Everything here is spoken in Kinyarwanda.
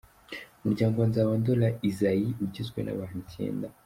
Umuryango wa Nzabandora Isaie ugizwe n’abantu icyenda.